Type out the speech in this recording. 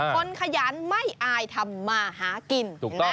ขยันไม่อายทำมาหากิน